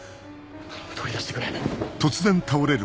頼む取り出してくれ。